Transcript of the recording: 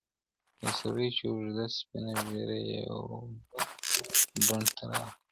یو سړی چې اوږده سپینه ږیره یې وه ډنډ ته راغی.